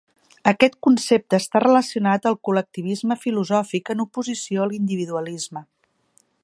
Aquest concepte està relacionat al col·lectivisme filosòfic en oposició a l'individualisme.